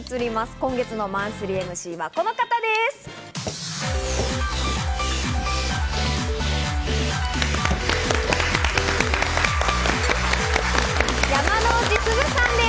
今月のマンスリーＭＣはこの方です。